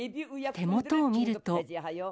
手元を見ると。